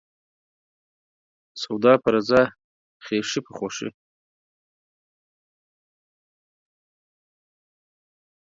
سوداپه رضا ، خيښي په خوښي.